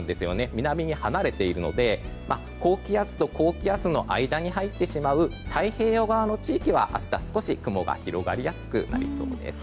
南に離れているので高気圧と高気圧の間に入ってしまう、太平洋側の地域は明日、少し雲が広がりやすくなりそうです。